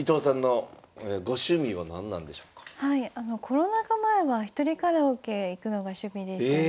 コロナ禍前は一人カラオケ行くのが趣味でしたね。